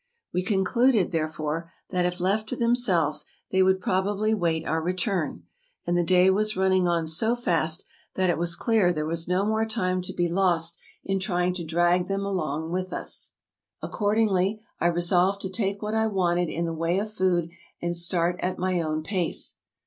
We concluded, therefore, that if left to themselves they would probably wait our return; and the day was running on so fast that it was clear there was no more time to be lost in trying to drag them along with us. ASIA 277 Accordingly, I resolved to take what I wanted in the way of food, and start at my own pace.